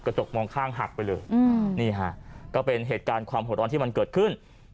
จกมองข้างหักไปเลยนี่ฮะก็เป็นเหตุการณ์ความหัวร้อนที่มันเกิดขึ้น